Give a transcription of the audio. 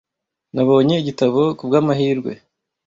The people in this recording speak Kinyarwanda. Nabonye igitabo kubwamahirwe.